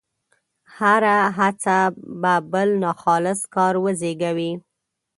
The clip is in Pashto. هره هڅه به بل ناخالص کار وزېږوي.